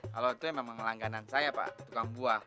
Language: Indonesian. kalau itu memang langganan saya pak tukang buah